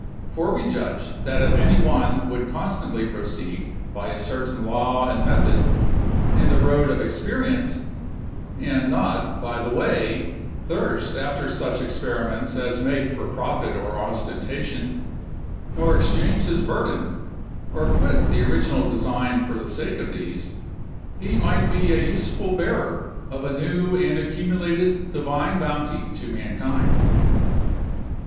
For we judge, that if any one would constantly proceed, by a certain law and method, in the road of experience, and not by the way thirst after such experiments as make for profit or ostentation, nor exchange his burden, or quit the original design for the sake of these, he might be an useful bearer of a new and accumulated divine bounty to mankind.